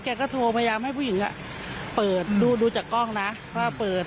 ก็โทรพยายามให้ผู้หญิงเปิดดูดูจากกล้องนะว่าเปิด